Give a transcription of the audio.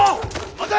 待て！